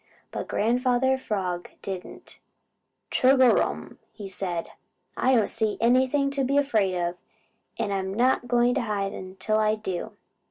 But Grandfather Frog didn't. "Chugarum!" said he, "I don't see anything to be afraid of, and I'm not going to hide until I do."